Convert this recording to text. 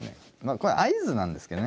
これ合図なんですけどね。